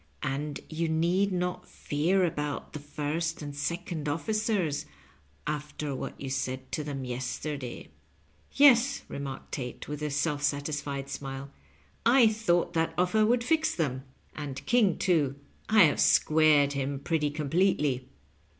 And yon need not fear about the first and second of&cers after what you said to them yes terday." " Tes," remarked Tate, with a self satisfied smile, " I thought that offer would fix them. And King, too, I have squared him pretty completely."